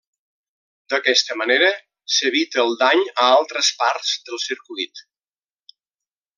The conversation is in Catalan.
D'aquesta manera s'evita el dany a altres parts del circuit.